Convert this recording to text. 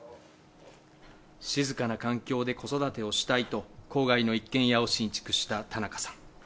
静かな環境で子育てをしたいと、郊外の一軒家を新築した田中さん。